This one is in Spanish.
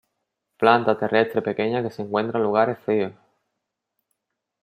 Planta terrestre pequeña que se encuentra en lugares fríos.